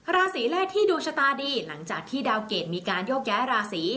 ราศีแรกที่ดวงชะตาดีหลังจากที่ดาวเกรดมีการโยกย้ายราศี